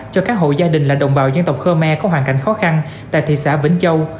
cho các hộ gia đình là đồng bào dân tộc khơ me có hoàn cảnh khó khăn tại thị xã vĩnh châu